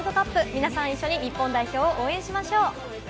皆さん、一緒に日本代表を応援しましょう。